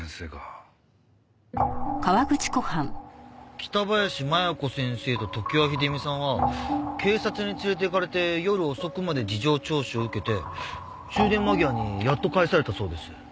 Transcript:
北林麻弥子先生と常盤秀美さんは警察に連れて行かれて夜遅くまで事情聴取を受けて終電間際にやっと帰されたそうです。